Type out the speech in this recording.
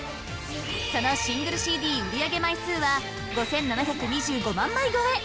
そのシングルＣＤ売上枚数は５７２５万枚超え！